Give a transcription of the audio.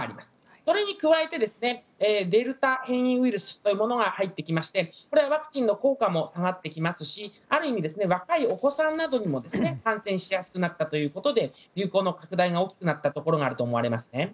それに加えてデルタ変異ウイルスというものが入ってきましてこれはワクチンの効果も下がってきますしある意味、若いお子さんなどにも感染しやすくなったということで流行の拡大が大きくなったところがあると思われますね。